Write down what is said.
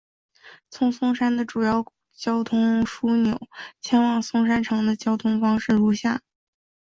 从松山的主要交通枢纽前往松山城的交通方式如下。